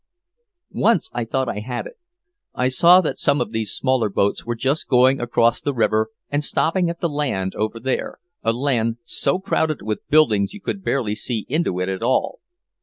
Once I thought I had it. I saw that some of these smaller boats were just going across the river and stopping at the land over there, a land so crowded with buildings you could barely see into it at all.